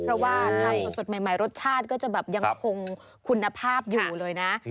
เพราะว่าทานสดใหม่รสชาติก็จะแบบยังคงคุณภาพอยู่เลยนะ